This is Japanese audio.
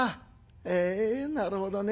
へえなるほどね。